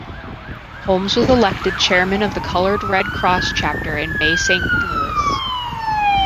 Holmes was elected chairman of the Colored Red Cross chapter in Bay Saint Louis.